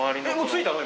着いたの？